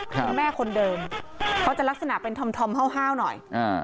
คือแม่คนเดิมเขาจะลักษณะเป็นธอมธอมฮ่าวฮ่าวหน่อย